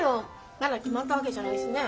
まだ決まったわけじゃないしね。